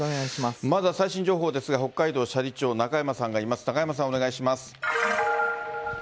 まずは最新情報ですが、北海道斜里町、中山さんがいます、中山さん、お願いします。